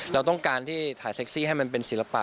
เราต้องการที่ถ่ายเซ็กซี่ให้มันเป็นศิลปะ